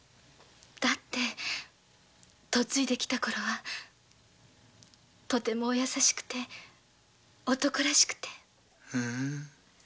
だって嫁いで来たころはとてもお優しくて男らしくて。